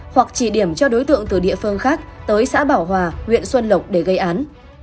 hoặc chỉ điểm cho đối tượng từ địa phương khác tới xã bảo hòa huyện xuân lộc để gây án